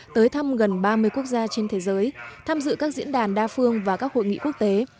tới thăm gần ba mươi quốc gia trên thế giới tham dự các diễn đàn đa phương và các hội nghị quốc tế